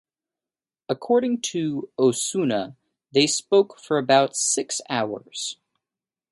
According to Osuna they spoke for about six hours.